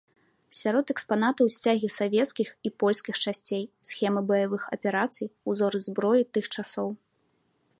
Сярод экспанатаў сцягі савецкіх і польскіх часцей, схемы баявых аперацый, узоры зброі тых часоў.